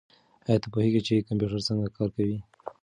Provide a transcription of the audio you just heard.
ایا ته پوهېږې چې کمپیوټر څنګه کار کوي؟